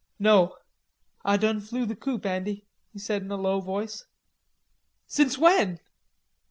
"No. Ah done flew the coop, Andy," he said in a low voice. "Since when?"